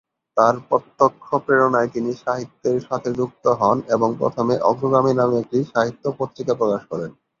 তার প্রত্যক্ষ প্রেরণায় তিনি সাহিত্যের সাথে যুক্ত হন এবং প্রথমে ‘অগ্রগামী’ নামে একটি সাহিত্য পত্রিকা প্রকাশ করেন।